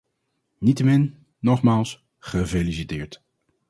Niettemin, nogmaals: gefeliciteerd.